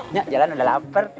nek jalan udah lapar